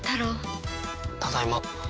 ただいま。